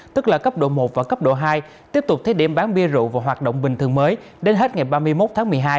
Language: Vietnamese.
tức là cấp độ một và cấp độ hai tiếp tục thế điểm bán bia rượu và hoạt động bình thường mới đến hết ngày ba mươi một tháng một mươi hai